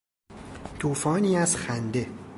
توفانی از خنده